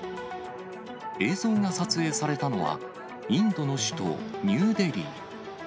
映像が撮影されたのは、インドの首都ニューデリー。